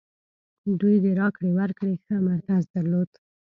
دوی د راکړې ورکړې ښه مرکز درلود.